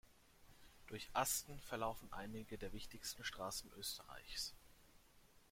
Durch Asten verlaufen einige der wichtigsten Straßen Österreichs.